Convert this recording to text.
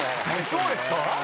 そうですか？